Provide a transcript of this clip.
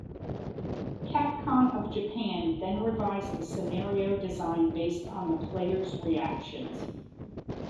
Capcom of Japan then revised the scenario design based on the players' reactions.